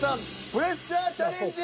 プレッシャーチャレンジ！